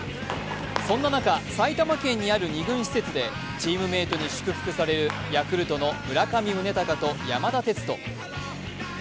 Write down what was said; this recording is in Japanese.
そんな中、埼玉県にある２軍施設でチームメートに祝福されるヤクルト・村上宗隆と山田哲人。